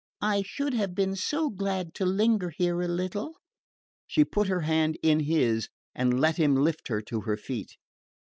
I should have been so glad to linger here a little." She put her hand in his and let him lift her to her feet.